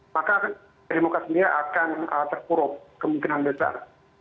maka demokrat sendiri akan terpuruk kemungkinan besar